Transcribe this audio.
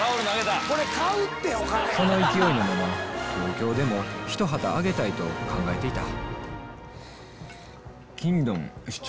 その勢いのまま東京でもひと旗揚げたいと考えていた